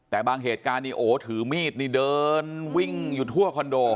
แต่บางเหตุการณ์นี้โอ้ถือมีดนี่เดินวิ่งอยู่ทั่วคอนโด